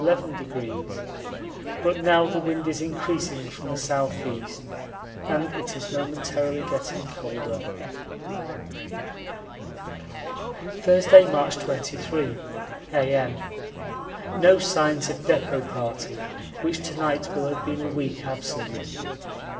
But now the wind is increasing from the S.E. and it is momentarily getting colder. Thursday, March 23, A.M. No signs of depot party, which to night will have been a week absent.